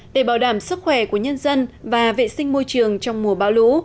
để bảo đảm sức khỏe của nhân dân và vệ sinh môi trường trong mùa bão lũ